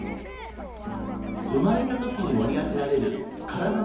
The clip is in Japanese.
生まれた時に割り当てられる体の性